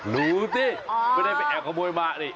รู้ซิไม่ได้ไปแอบขโมยมา